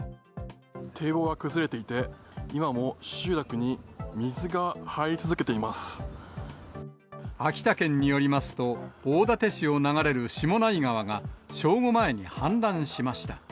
堤防が崩れていて、今も集落秋田県によりますと、大館市を流れる下内川が正午前に氾濫しました。